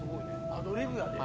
アドリブやで。